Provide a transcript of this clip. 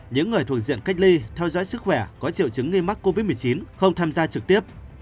những người thuộc diện cách ly theo dõi sức khỏe có triệu chứng nghi mắc covid một mươi chín không tham gia trực tiếp